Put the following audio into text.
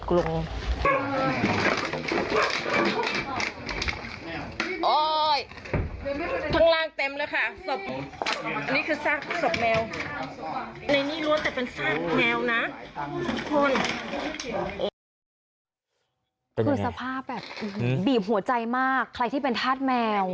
คือสภาพแบบบีบหัวใจมากใครที่เป็นธาตุแมว